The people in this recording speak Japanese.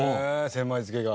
千枚漬けが？